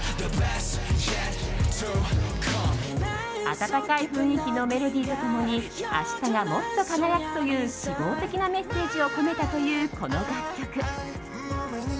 温かい雰囲気のメロディーと共に明日がもっと輝くという希望的なメッセージを込めたというこの楽曲。